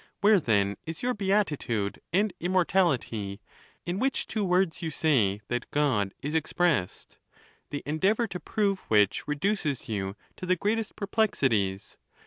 Where, then, is your beatitude and immortality, in which two words you say that God is ex pressed, the endeavor to prove which reduces you to the greatest perplexities?